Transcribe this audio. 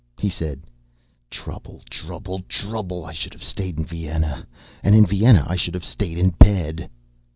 He said, "Trouble, trouble, trouble. I should have stayed in Vienna. And in Vienna I should have stood in bed."